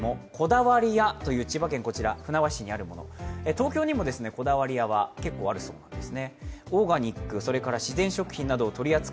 東京にもこだわりやは結構あるみたいです。